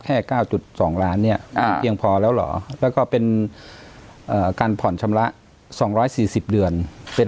แค่๙๒ล้านเนี่ยเพียงพอแล้วเหรอแล้วก็เป็นการผ่อนชำระ๒๔๐เดือนเป็น